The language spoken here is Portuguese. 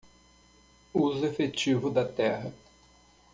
Uso efetivo da terra